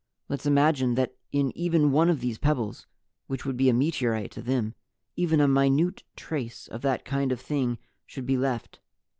Let's imagine that in even one of those pebbles which would be meteorites to them even a minute trace of that kind of thing should be left.